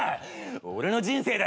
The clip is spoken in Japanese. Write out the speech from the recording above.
俺の人生だ。